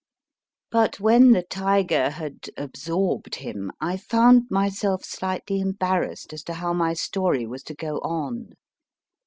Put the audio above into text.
But when H 2 IOO MY FIRST BOOK the tiger had absorbed him, I found myself slightly embar rassed as to how my story was to go on.